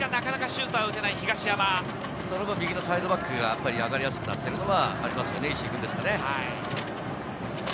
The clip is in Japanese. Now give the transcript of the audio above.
その分、右のサイドバックが上がりやすくなってるのがありますね、石井君ですか。